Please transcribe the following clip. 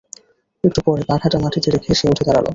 একটু পরে পাখাটা মাটিতে রেখে সে উঠে দাঁড়াল।